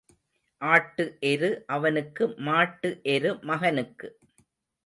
ஆட்டு எரு அவனுக்கு மாட்டு எரு மகனுக்கு.